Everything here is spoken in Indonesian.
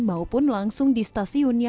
maupun langsung di stasiunnya